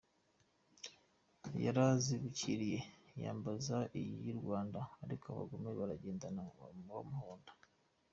Yarazibukiriye, yambaza iy’I Rwanda ariko abagome bakagendana bamuhonda.